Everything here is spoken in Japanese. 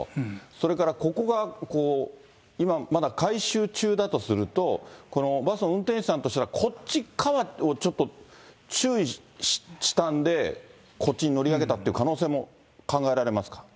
それからここがこう、今まだ改修中だとすると、このバスの運転手さんとしたら、こっち側をちょっと注意したんで、こっちに乗り上げたっていう可能性も考えられますか。